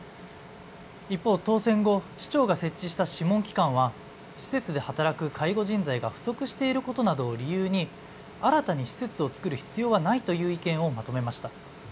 一方、当選後、市長が設置した諮問機関は施設で働く介護人材が不足していることなどを理由に新たに施設を作る必要はないという意見をまとめました。